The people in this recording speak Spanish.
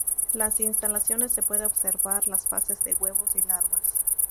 En las instalaciones se puede observar las fases de huevos y larvas.